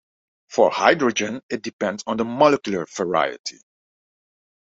For hydrogen, it depends on the molecular variety.